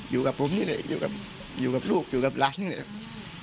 อยู่กับผมนี่แหละอยู่กับอยู่กับลูกอยู่กับหลานนี่แหละ